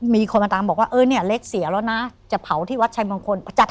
มีคนมาตามบอกว่าเออเนี่ยเล็กเสียแล้วนะจะเผาที่วัดชัยมงคล